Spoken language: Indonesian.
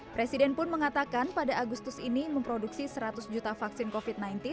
presiden pun mengatakan pada agustus ini memproduksi seratus juta vaksin covid sembilan belas